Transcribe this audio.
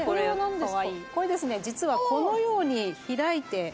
これですね実はこのように開いて。